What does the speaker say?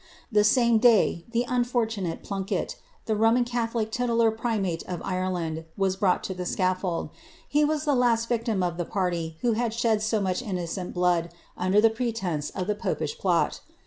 The same dav the unf<»rtiinate IMunket, the Roman catholic titular primate of Inland, was brought to the scaffold. He was the last victim of the party who had shed so inucli innocent Mood under tlie pretence of the popish plot.